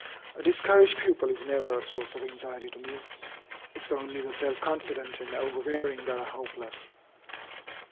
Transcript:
A discouraged pupil is never a source of anxiety to me. It is only the self confident and over wearing that are hopeless.